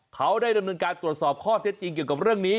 เขาได้ดำเนินการตรวจสอบข้อเท็จจริงเกี่ยวกับเรื่องนี้